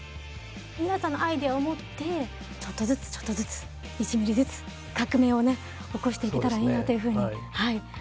皆さんのアイデアを持ってちょっとずつちょっとずつ１ミリずつ革命をね起こしていけたらいいなというふうにはい思いました。